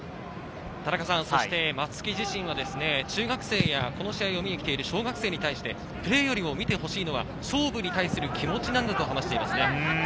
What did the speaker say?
松木自身は中学生やこの試合を見に来ている小学生に対して、プレーよりも見てほしいのは勝負に対する気持ちなんだと話しています。